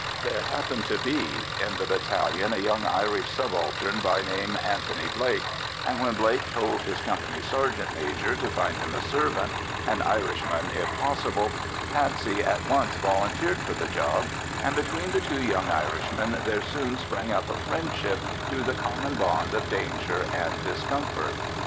There happened to be in the battalion a young Irish subaltern by name Anthony Blake, and when Blake told his Company Sergeant Major to find him a servant—an Irishman if possible—Patsey at once volunteered for the job, and between the two young Irishmen there soon sprang up a friendship through the common bond of danger and discomfort.